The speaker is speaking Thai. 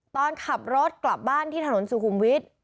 ตอนขับรถกลับบ้านที่ถนนสุขุมวิทย์